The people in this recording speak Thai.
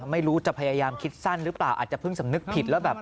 ไม่รู้จะพยายามคิดสั้นหรือเปล่าอาจจะเพิ่งสำนึกผิดแล้วแบบ